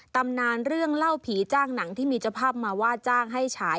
ตำนานเรื่องเล่าผีจ้างหนังที่มีเจ้าภาพมาว่าจ้างให้ฉาย